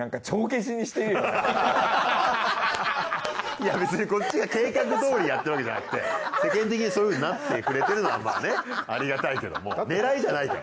いや別にこっちが計画どおりやってるわけじゃなくて世間的にそういうふうになってくれてるのはまぁねありがたいけども狙いじゃないから。